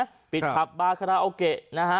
การปิดสถานศึกษาใช่ไหมปิดพับบาคาราโอเกะนะฮะ